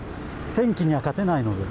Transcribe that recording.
天気には勝てないので。